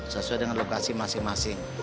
sesuai dengan lokasi masing masing